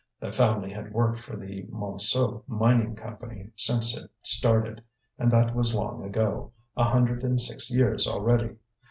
The family had worked for the Montsou Mining Company since it started, and that was long ago, a hundred and six years already.